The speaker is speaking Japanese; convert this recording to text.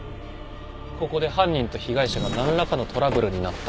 ここで犯人と被害者が何らかのトラブルになった。